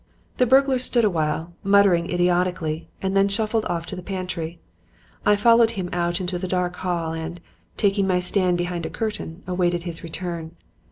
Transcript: "The burglar stood awhile, muttering idiotically, and then shuffled off to the pantry. I followed him out into the dark hall and, taking my stand behind a curtain, awaited his return.